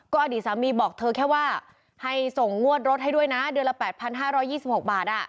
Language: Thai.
อดีตสามีบอกเธอแค่ว่าให้ส่งงวดรถให้ด้วยนะเดือนละ๘๕๒๖บาท